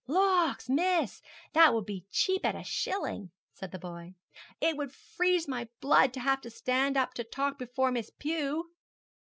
'Lawks, miss, that would be cheap at a shilling,' said the boy. 'It would freeze my blood to have to stand up to talk before Miss Pew.'